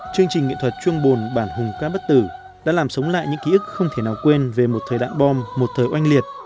chương trình nghệ thuật chuông bồn bản hùng ca bất tử đã làm sống lại những ký ức không thể nào quên về một thời đạn bom một thời oanh liệt